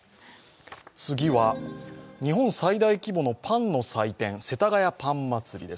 次は日本最大規模のパンの祭典、世田谷パン祭りです。